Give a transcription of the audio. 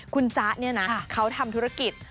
คุณจ๊ะเนี่ยนะเขาทำธุรกิจ